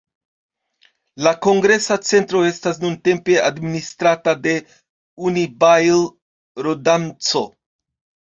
La kongresa centro estas nuntempe administrata de "Unibail-Rodamco".